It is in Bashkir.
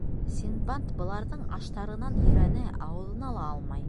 Синдбад быларҙың аштарынан ерәнә, ауыҙына ла алмай.